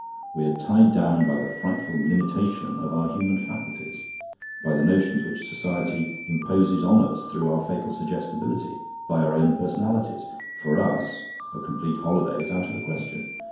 We are tied down by the frightful limitation of our human faculties, by the notions which society imposes on us through our fatal suggestibility, by our own personalities. For us, a complete holiday is out of the question.